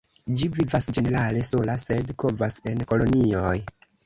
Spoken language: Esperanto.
Ĝi vivas ĝenerale sola, sed kovas en kolonioj.